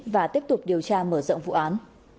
và tiếp tục điều tra mở rộng vụ án